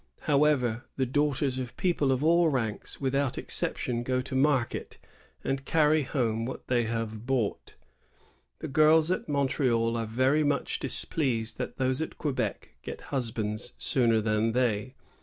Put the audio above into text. However, the daughters of people of all ranks without exception go to market and carry home what they have bought. The girls at Montreal are very much displeased that those at Quebec get husbands sooner than they.